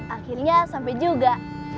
akhirnya sampe juga